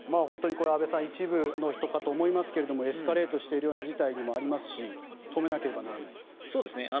これ、一部の人かと思いますがエスカレートしていく事態でもありますし止めなければならない。